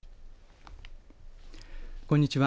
こんにちは。